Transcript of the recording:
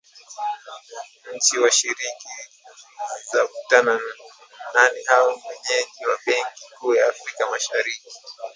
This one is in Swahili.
Nchi washiriki zavutana nani awe mwenyeji wa benki kuu ya Afrika Mashariki